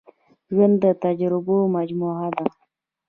ژوند د تجربو مجموعه ده.